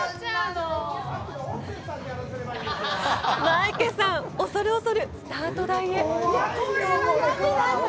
マイケさん、恐る恐るスタート台へ。